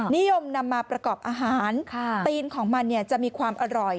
นิยมนำมาประกอบอาหารตีนของมันจะมีความอร่อย